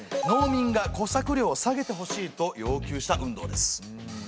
農民が小作料を下げてほしいと要求した運動です。